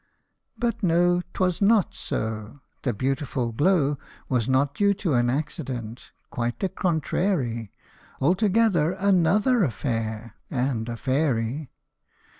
But no ! t' was not so ! The beautiful glow Was not due to an accident quite the contra/ry Altogether another affair, and a fairy